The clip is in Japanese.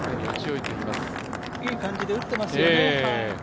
いい感じで打っていますよね。